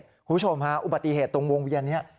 คุณผู้ชมฮะอุบัติเหตุตรงวงเวียนนี้